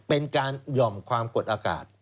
เป็นการหย่อมความกดอากาศ